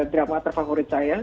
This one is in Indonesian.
drama terfavorit saya